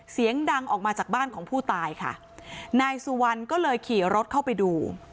เสียงดังออกมาจากบ้านของผู้ตายค่ะนายสุวรรณก็เลยขี่รถเข้าไปดู